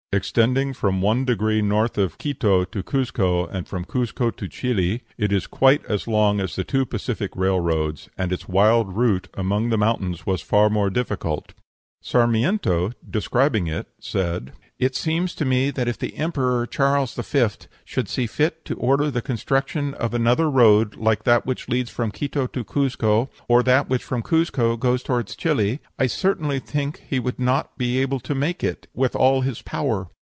Extending from one degree north of Quito to Cuzco, and from Cuzco to Chili, it was quite as long as the two Pacific railroads, and its wild route among the mountains was far more difficult." Sarmiento, describing it, said, "It seems to me that if the emperor (Charles V.) should see fit to order the construction of another road like that which leads from Quito to Cuzco, or that which from Cuzco goes toward Chili, I certainly think he would not be able to make it, with all his power."